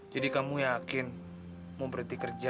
jadi kamu yakin mau pergi kerja